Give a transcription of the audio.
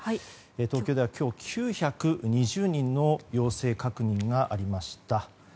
東京では９２０人の陽性確認がありました。